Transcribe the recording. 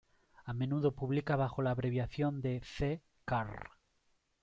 A menudo publica bajo la abreviación de C. Carr.